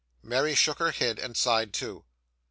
Mary shook her head, and sighed too.